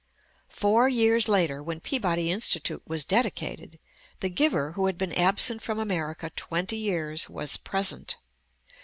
Four years later, when Peabody Institute was dedicated, the giver, who had been absent from America twenty years, was present.